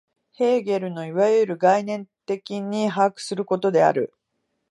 ヘーゲルのいわゆる概念的に把握することである。